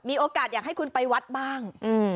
มีโอกาสอยากให้คุณไปวัดบ้าง